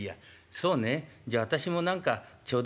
そうね